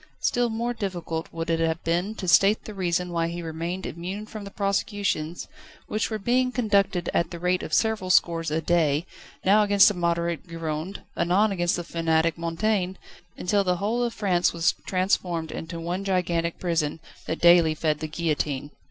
Still more difficult would it have been to state the reason why he remained immune from the prosecutions, which were being conducted at the rate of several scores a day, now against the moderate Gironde, anon against the fanatic Mountain, until the whole of France was transformed into one gigantic prison, that daily fed the guillotine.